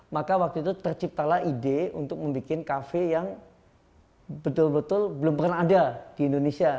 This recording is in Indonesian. maka waktu itu terciptalah ide untuk membuat kafe yang betul betul belum pernah ada di indonesia